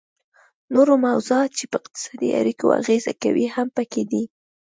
نور موضوعات چې په اقتصادي اړیکو اغیزه کوي هم پکې دي